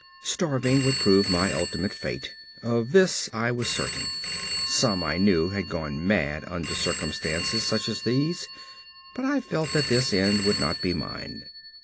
Starving would prove my ultimate fate; of this I was certain. Some, I knew, had gone mad under circumstances such as these, but I felt that this end would not be mine.